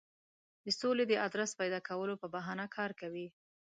د سولې د آدرس پیدا کولو په بهانه کار کوي.